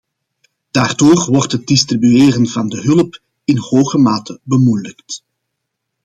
Daardoor wordt het distribueren van de hulp in hoge mate bemoeilijkt.